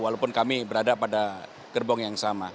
walaupun kami berada pada gerbong yang sama